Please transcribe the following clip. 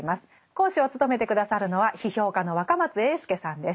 講師を務めて下さるのは批評家の若松英輔さんです。